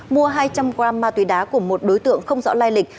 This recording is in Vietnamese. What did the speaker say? mua hai trăm linh gram ma túy đá của một đối tượng không rõ lanh lịch